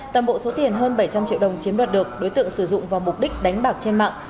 tầm bộ số tiền hơn bảy trăm linh triệu đồng chiếm đoạt được đối tượng sử dụng vào mục đích đánh bạc trên mạng